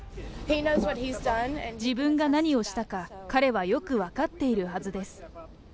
自分が何をしたか彼はよく分かっているはずです。